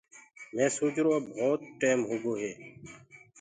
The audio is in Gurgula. مي سوچرو اب ڀوت ٽيم هوگو هي۔